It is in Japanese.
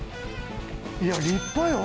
いや立派よ。